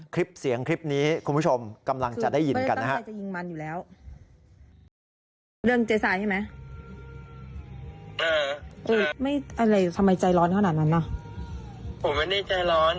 คลิปเสียงคลิปนี้คุณผู้ชมกำลังจะได้ยินกันนะฮะ